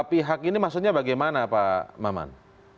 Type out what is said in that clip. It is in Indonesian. pihak ini maksudnya bagaimana pak maman